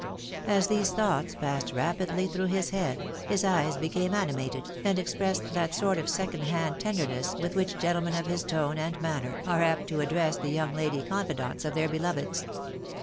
As these thoughts passed rapidly through his head, his eyes became animated, and expressed tliat sort of second hand ten derness, with which gentlemen of his tone and manner, are apt to address the young lady confidantes of their beloveds.